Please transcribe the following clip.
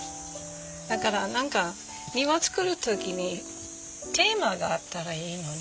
だから何か庭造る時にテーマがあったらいいのね。